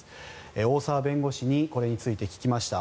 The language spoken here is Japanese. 大澤弁護士にこれについて聞きました。